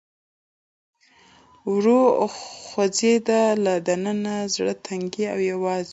ورو خوځېده، له دننه زړه تنګی او یوازې ووم.